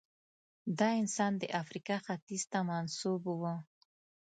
دا انسان د افریقا ختیځ ته منسوب و.